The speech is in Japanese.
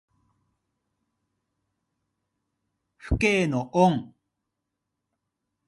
父母の恩。